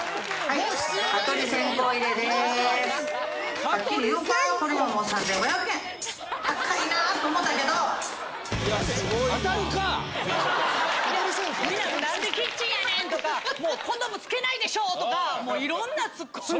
いやみんな何でキッチンやねん！とかコンドームつけないでしょ！とかいろんなツッコミが。